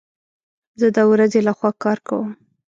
زه د ورځي لخوا کار کوم